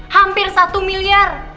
hampir satu miliar